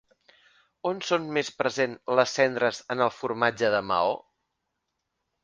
On són més present les cendres en el formatge de Maó?